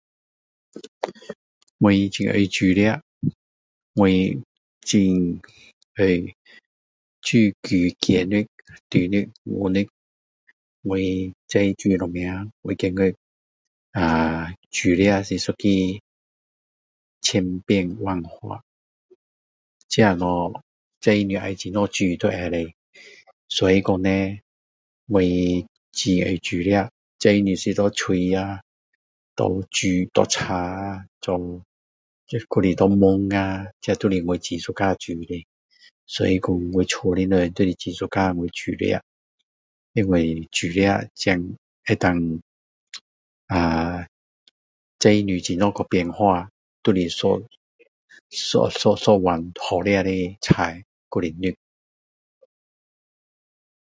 我很爱煮饭我很爱煮鸡肉猪肉牛肉我随便煮什么我觉得啊煮饭是一个千变万化这东西随你要怎么煮都可以所以说呢我很爱煮饭随你是拿来蒸啊拿煮拿炒啊还是拿来焖啊这都是我很喜欢煮的所以说我家的人都是很喜欢我煮饭因为煮饭才能够啊随你怎么去变化都是一一一一碗好吃的菜还是肉